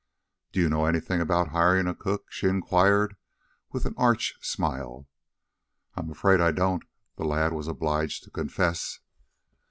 "Do you know anything about hiring a cook?" she inquired, with an arch smile. "I'm afraid I don't," the lad was obliged to confess.